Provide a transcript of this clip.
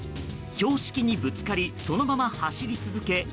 標識にぶつかりそのまま走り続け